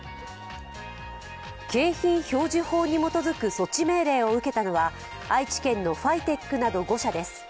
景品表示法に基づく措置命令を受けたのは愛知県のファイテックなど５社です